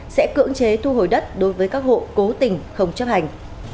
sẽ cưỡng chế thu hồi đất đối với các hộ cố tình không chấp hành